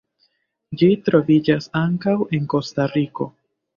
Ĝi troviĝas ankaŭ en Kostariko.